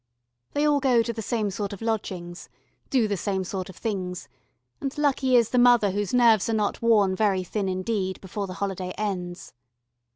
They all go to the same sort of lodgings, do the same sort of things, and lucky is the mother whose nerves are not worn very thin indeed before the holiday ends.